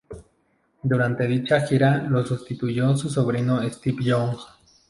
Durante dicha gira, lo sustituyó su sobrino Stevie Young.